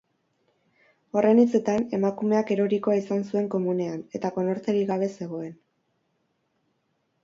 Horren hitzetan, emakumeak erorikoa izan zuen komunean, eta konorterik gabe zegoen.